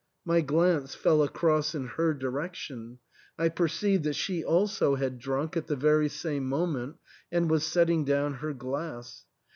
My glance fell across in fur direction ; I perceived that she also had drunk at the very same moment and was setting down her glass.